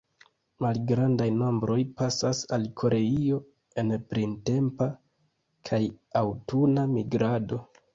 Malgrandaj nombroj pasas al Koreio en printempa kaj aŭtuna migrado.